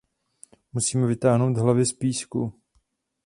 Musíme vytáhnout hlavy z písku.